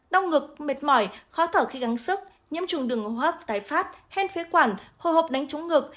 đau ngực mệt mỏi khó thở khi gắng sức nhiễm trùng đường hô hấp tái phát hen phế quản hồ hộp đánh trúng ngực